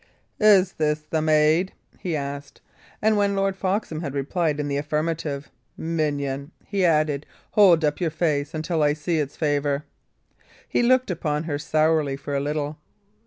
"Is this the maid?" he asked; and when Lord Foxham had replied in the affirmative, "Minion," he added, "hold up your face until I see its favour." He looked upon her sourly for a little.